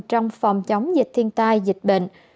trong phòng chống dịch thiên tai dịch bệnh